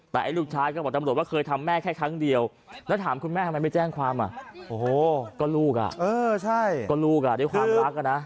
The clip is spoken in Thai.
แต่ไอ้ลูกชายก็บอกตำรวจว่าเคยทำแม่แค่ครั้งเดียวแล้วถามคุณแม่ทำไมไม่แจ้งความอ่ะโอ้โหก็ลูกอ่ะก็ลูกด้วยความรักอะนะ